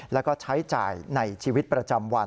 แล้วก็ใช้จ่ายในชีวิตประจำวัน